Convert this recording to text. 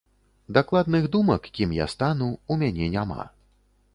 Дакладных думак, кім я стану, у мяне няма.